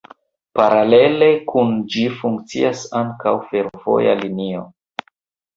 Paralele kun ĝi funkcias ankaŭ fervoja linio.